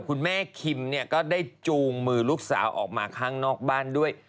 คุณแม่คิมเนี่ยก็ได้จูงมือลูกสาวออกมาข้างนอกบ้านด้วย